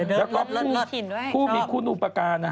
และก็ผู้มีคู่นูปการณ์